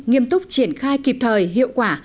nghiêm túc triển khai kịp thời hiệu quả